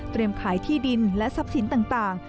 ขายที่ดินและทรัพย์สินต่าง